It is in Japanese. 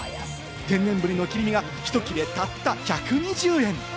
天然ブリの切り身が、ひと切れ、たった１２０円！